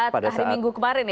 pada saat hari minggu kemarin ya